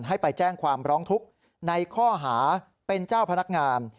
ให้ไปแจ้งความร้องทุกข์ในข้อหาเป็นเจ้าพนักงาน